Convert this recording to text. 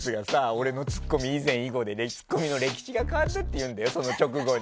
俺のツッコミ以前以後でツッコミの歴史が変わったって言うんだよ、その直後に。